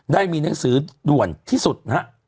ได้มีหนังสือด่วนที่สุดนะฮะ